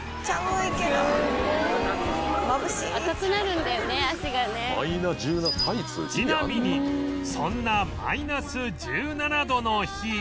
ちなみにそんなマイナス１７度の日